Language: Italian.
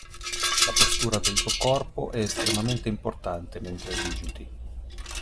La postura del tuo corpo è estremamente importante mentre digiti.